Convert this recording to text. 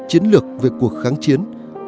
chiến lược về cuộc kháng chiến